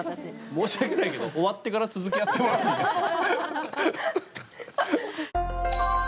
申し訳ないけど終わってから続きやってもらっていいですか。